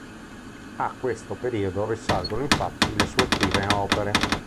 A questo periodo risalgono infatti le sue prime opere.